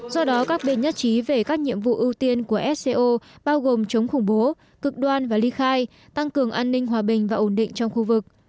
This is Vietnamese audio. do đó các bên nhất trí về các nhiệm vụ ưu tiên của sco bao gồm chống khủng bố cực đoan và ly khai tăng cường an ninh hòa bình và ổn định trong khu vực